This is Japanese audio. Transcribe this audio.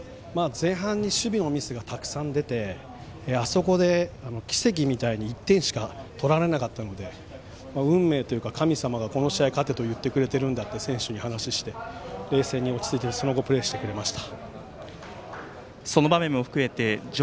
前半に守備のミスがたくさん出て、あそこで奇跡みたいに１点しか取られなかったので運命というか神様がこの試合に勝てと言ってくれているんだと選手たちに言って、冷静にその後、プレーしてくれました。